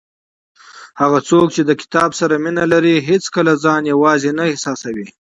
هغه څوک چې له کتاب سره مینه لري هیڅکله ځان یوازې نه احساسوي.